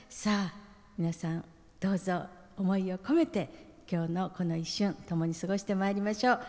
皆さん、どうぞ思いを込めてこの一瞬ともに過ごしてまいりましょう。